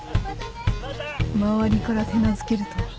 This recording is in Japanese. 周りから手なずけるとは。